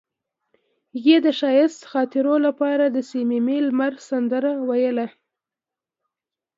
هغې د ښایسته خاطرو لپاره د صمیمي لمر سندره ویله.